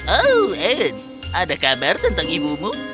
oh eits ada kabar tentang ibumu